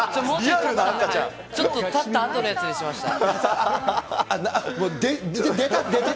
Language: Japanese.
ちょっとたったあとのやつにしました。